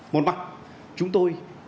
một mặt chúng tôi